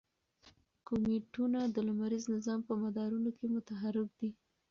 کومیټونه د لمریز نظام په مدارونو کې متحرک دي.